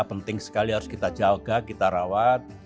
penting sekali harus kita jaga kita rawat